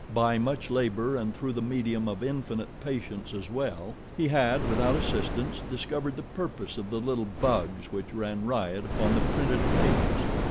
By much labor and through the medium of infinite patience as well, he had, without assistance, discovered the purpose of the little bugs which ran riot upon the printed pages.